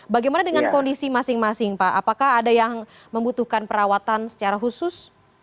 bagaimana dengan kondisi masing masing pak apakah ada yang membutuhkan perawatan secara khusus